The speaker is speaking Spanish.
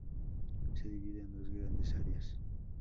Se divide en dos grandes áreas.